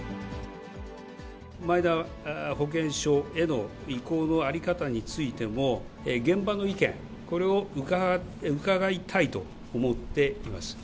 マイナ保険証への移行の在り方についても、現場の意見、これを伺いたいと思っています。